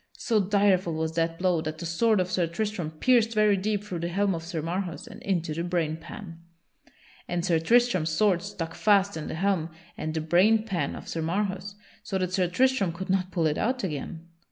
So direful was that blow that the sword of Sir Tristram pierced very deep through the helm of Sir Marhaus and into the brainpan. And Sir Tristram's sword stuck fast in the helm and the brain pan of Sir Marhaus so that Sir Tristram could not pull it out again.